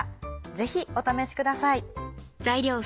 ぜひお試しください。